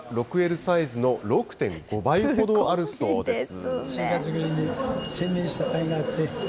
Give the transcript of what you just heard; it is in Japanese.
６Ｌサイズの６．５倍ほどあるそうです。